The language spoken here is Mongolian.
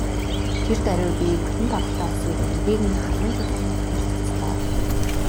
Тэр даруй би бүтэн торхтой усыг бүгдийг нь халуун чулуунууд дээр цацлаа.